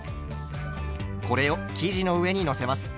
これを生地の上にのせます。